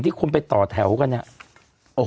คนไปต่อแถวกันเนี่ย